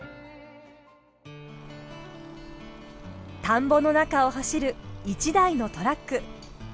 田んぼの中を走る一台のトラック。